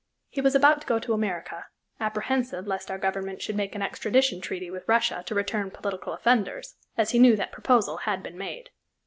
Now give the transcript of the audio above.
He was about to go to America, apprehensive lest our Government should make an extradition treaty with Russia to return political offenders, as he knew that proposal had been made.